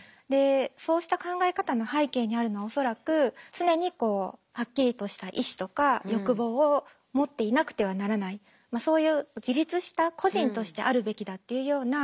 そうした考え方の背景にあるのは恐らく常にはっきりとした意思とか欲望を持っていなくてはならないそういう自立した個人としてあるべきだっていうような。